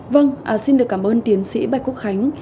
vâng xin được cảm ơn tiến sĩ bài quốc khánh